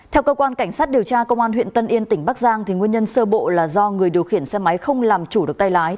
theo cơ quan cảnh sát điều tra công an huyện tân yên tỉnh bắc giang nguyên nhân sơ bộ là do người điều khiển xe máy không làm chủ được tay lái